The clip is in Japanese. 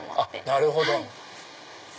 なるほど。